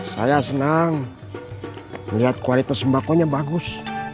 saya senang melihat kualitas sembakonya bagus